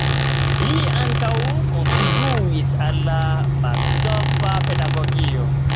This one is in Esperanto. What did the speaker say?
Li ankaŭ kontribuis al la Valdorfa pedagogio.